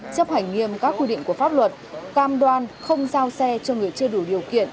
chấp hành nghiêm các quy định của pháp luật cam đoan không giao xe cho người chưa đủ điều kiện